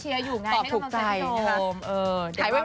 เชียร์อยู่ง่ายให้กำลังเจอพี่โดมนะครับถ่ายไว้ค่ะ